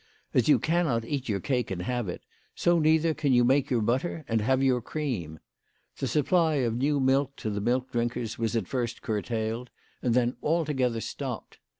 As you cannot eat your cake and have it, so neither can you make your butter and have your cream. The supply of new milk to the milk drinkers was at first curtailed, and then altogether stopped.